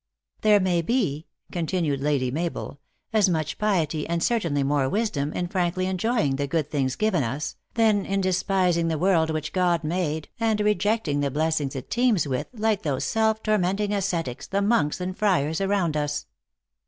"There may be," continued Lady Mabel, " as much piety, and certainly more wisdom, in frankly enjoying the good things given us, than in despising the world which God made, and rejecting the blessings it teems with, like these self tormenting ascetics, the monks and friars around us."